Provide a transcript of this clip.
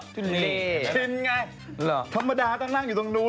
จริงไงธรรมดาต้องนั่งตรงนู้น